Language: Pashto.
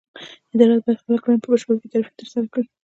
اداره باید خپلې کړنې په بشپړه بې طرفۍ ترسره کړي.